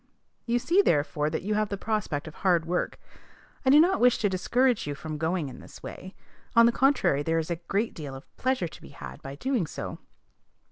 You see, therefore, that you have the prospect of hard work. I do not wish to discourage you from going in this way: on the contrary, there is a great deal of pleasure to be had by doing so.